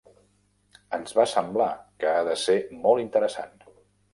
Ens va semblar que ha de ser molt interessant.